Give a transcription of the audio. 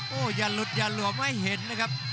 หู้ยันหลุดยันหล่วงคงไม่เห็นนะครับ